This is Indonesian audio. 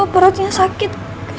gak tau perutnya sakit